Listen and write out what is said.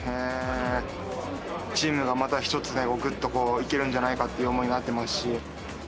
チームがまた１つねグッとこういけるんじゃないかという思いになってますし。